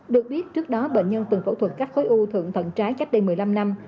được biết trước đó bệnh nhân từng phẫu thuật các khối u thượng thận trái cách đây một mươi năm năm